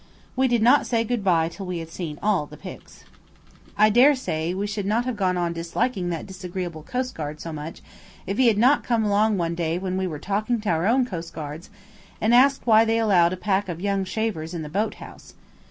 We did not say goodbye till we had seen all the pigs. I daresay we should not have gone on disliking that disagreeable coastguard so much if he had not come along one day when we were talking to our own coastguards, and asked why they allowed a pack of young shavers in the boat house.